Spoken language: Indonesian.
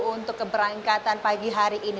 untuk keberangkatan pagi hari ini